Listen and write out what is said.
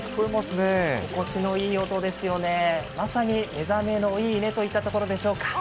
心地のいい音ですよね、まさに「目覚めのいい音」といったところでしょうか。